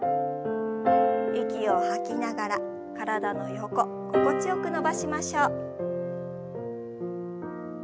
息を吐きながら体の横心地よく伸ばしましょう。